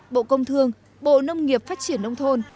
bộ công thương bộ nông nghiệp phát triển nông thôn